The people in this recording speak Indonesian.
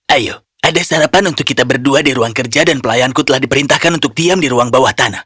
ayo ada sarapan untuk kita berdua di ruang kerja dan pelayanku telah diperintahkan untuk diam di ruang bawah tanah